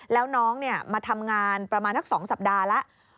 แล้วน้องมาทำงานประมาณสัก๒สัปดาห์แล้ว